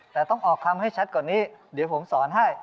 แต่ต้องออกคำให้ชัดกว่านี้เดี๋ยวผมสอนให้